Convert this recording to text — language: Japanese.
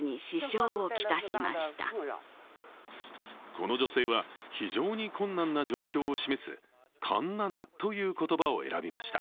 この女性は非常に困難な状況を示す「艱難」という言葉を選びました。